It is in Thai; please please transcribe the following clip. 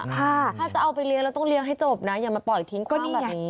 ค่ะถ้าจะเอาไปเลี้ยงแล้วต้องเลี้ยงให้จบนะอย่ามาปล่อยอีกทิ้งกว้างแบบนี้